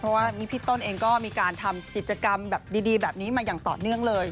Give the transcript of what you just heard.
เพราะว่านี่พี่ต้นเองก็มีการทำกิจกรรมแบบดีแบบนี้มาอย่างต่อเนื่องเลย